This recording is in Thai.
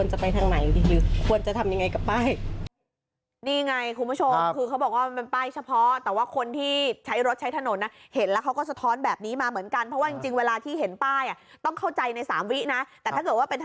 จะเลี้ยวยังไงละนี่นะเออ